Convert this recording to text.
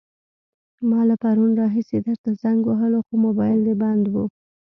ما له پرون راهيسې درته زنګ وهلو، خو موبايل دې بند وو.